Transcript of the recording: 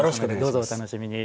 どうぞお楽しみに。